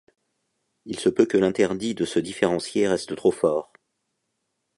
Il se peut que l'interdit de se différencier reste trop fort.